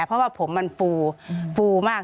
เพราะว่าผมมันฟูฟูมาก